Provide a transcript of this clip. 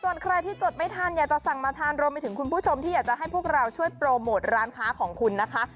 ส่วนใครที่จดไม่ทันอยากจะสั่งมาทานรวมไปถึงคุณผู้ชมที่อยากจะให้พวกเราช่วยโปรโมทร้านค้าของคุณนะคะ